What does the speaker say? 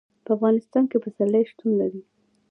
په افغانستان کې پسرلی شتون لري.